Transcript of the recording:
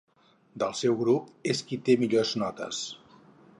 Del seu grup, és qui té millors notes.